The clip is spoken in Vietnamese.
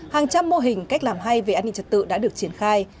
hàng trăm mô hình cách làm hay về an ninh trật tự đã được triển khai